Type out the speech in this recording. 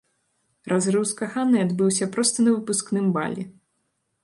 Разрыў з каханай адбыўся проста на выпускным балі.